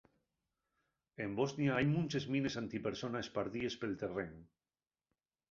En Bosnia hai munches mines anti-persona espardíes pel terrén.